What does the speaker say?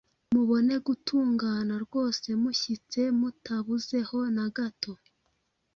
mubone gutungana rwose mushyitse mutabuzeho na gato